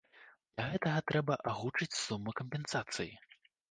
Для гэтага трэба агучыць суму кампенсацыі.